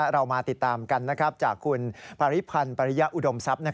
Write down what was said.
เรามาติดตามกันจากคุณปริพันธ์ปริยะอุดมทรัพย์